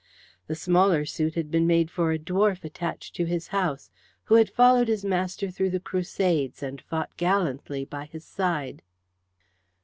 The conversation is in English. The smaller suit had been made for a dwarf attached to his house, who had followed his master through the Crusades, and fought gallantly by his side.